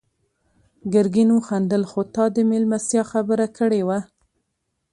ګرګين وخندل: خو تا د مېلمستيا خبره کړې وه.